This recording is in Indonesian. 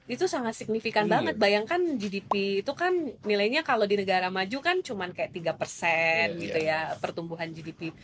itu sangat signifikan banget bayangkan gdp itu kan nilainya kalau di negara maju kan cuma kayak tiga persen gitu ya pertumbuhan gdp